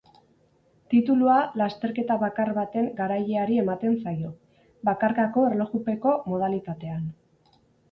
Titulua lasterketa bakar baten garaileari ematen zaio, bakarkako erlojupeko modalitatean.